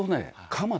鎌！？